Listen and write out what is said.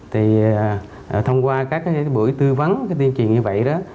thông qua các buổi tư vấn tiên truyền như vậy đó